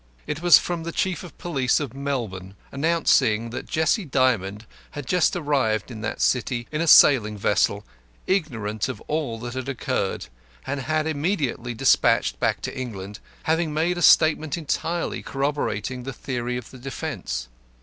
It was from the Chief of Police of Melbourne, announcing that Jessie Dymond had just arrived in that city in a sailing vessel, ignorant of all that had occurred, and had been immediately despatched back to England, having made a statement entirely corroborating the theory of the defence.